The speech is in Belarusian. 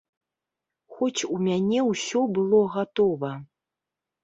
Хоць у мяне ўсё было гатова.